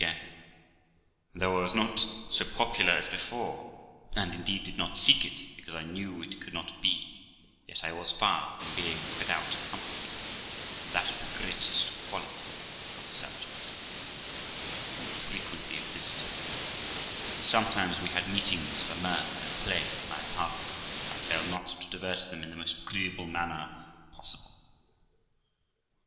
And, though I was not so popular as before, and indeed did not seek it, because I knew it could not be, yet I was far from being without company, and that of the greatest quality (of subjects I mean), who frequently visited me, and sometimes we had meetings for mirth and play at my apartments, where I failed not to divert them in the most agreeable manner possible.